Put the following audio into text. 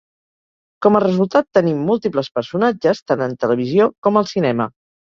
Com a resultat tenim múltiples personatges tant en televisió com al cinema.